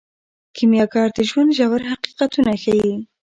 کیمیاګر د ژوند ژور حقیقتونه ښیي.